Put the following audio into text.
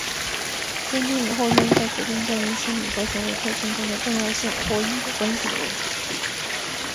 先天与后天在决定个人心理和行为特性中的重要性或因果关系的问题。